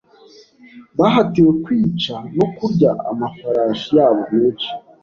Bahatiwe kwica no kurya amafarashi yabo menshi.